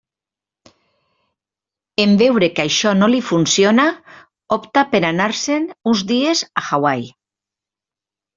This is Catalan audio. En veure que això no li funciona, opta per anar-se'n uns dies a Hawaii.